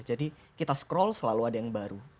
jadi kita scroll selalu ada yang baru